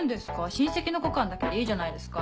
「親戚の子感」だけでいいじゃないですか。